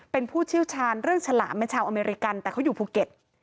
เป็นผู้เชี่ยวชาญเรื่องฉลามเป็นชาวอเมริกันแต่เขาอยู่ภูเก็ต